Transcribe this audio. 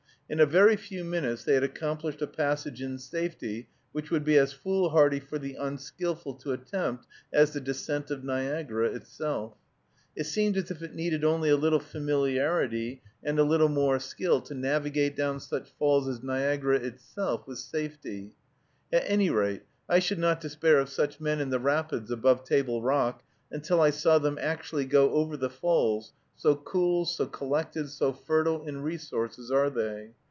In a very few minutes they had accomplished a passage in safety, which would be as foolhardy for the unskillful to attempt as the descent of Niagara itself. It seemed as if it needed only a little familiarity, and a little more skill, to navigate down such falls as Niagara itself with safety. At any rate, I should not despair of such men in the rapids above Table Rock, until I saw them actually go over the falls, so cool, so collected, so fertile in resources are they.